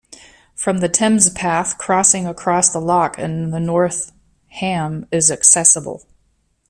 From the Thames Path crossing across the Lock in the north Ham is accessible.